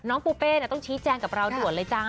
ปูเป้ต้องชี้แจงกับเราด่วนเลยจ้า